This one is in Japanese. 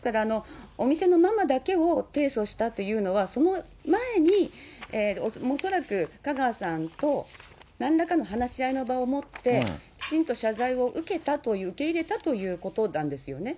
お店のママだけを提訴したというのは、その前に、恐らく香川さんとなんらかの話し合いの場を持って、きちんと謝罪を受けたと、受け入れたということなんですよね。